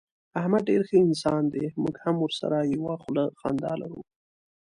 احمد ډېر ښه انسان دی. موږ هم ورسره یوه خوله خندا لرو.